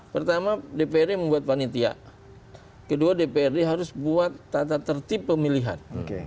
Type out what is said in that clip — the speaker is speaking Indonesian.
pertama dprd membuat panitia kedua dprd harus buat tata tertib pemilihan